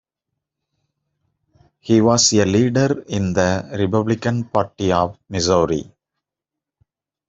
He was a leader in the Republican Party of Missouri.